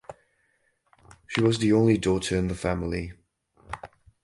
She was the only daughter in the family.